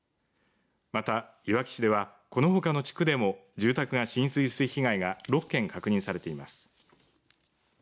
また、いわき市ではこのほかの地区でも住宅が浸水する被害が６件確認されています。